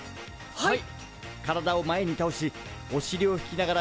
はい！